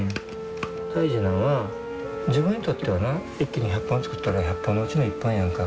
大事なんは自分にとってはな一気に１００本作ったら１００本のうちの１本やんか。